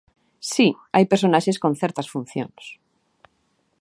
Si, hai personaxes con certas funcións.